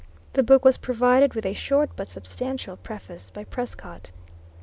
The book was provided with a short but substantial Preface by Prescott.